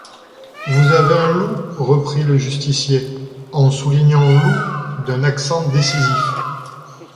Vous avez un loup, reprit le justicier, en soulignant « loup » d’un accent décisif.